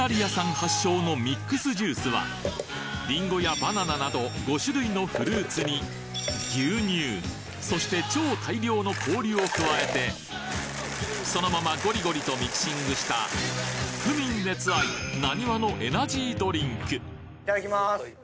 発祥のミックスジュースはリンゴやバナナなど５種類のフルーツに牛乳そして超大量の氷を加えてそのままゴリゴリとミキシングした府民熱愛なにわのエナジードリンクいただきます。